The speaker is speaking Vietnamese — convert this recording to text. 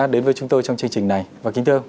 đến với chúng tôi trong chương trình này và kính thưa